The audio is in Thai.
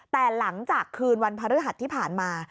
แต่หลังจากคืนวันพฤหัสที่ผ่านมา